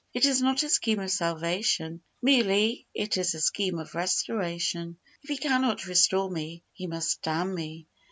It is not a scheme of salvation, merely it is a scheme of restoration. If He cannot restore me, He must damn me.